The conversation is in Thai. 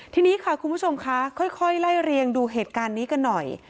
ทีนี้ค่ะคุณผู้ชมคะค่อยไล่เรียงดูเหตุการณ์นี้กันหน่อย